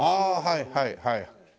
はいはいはい。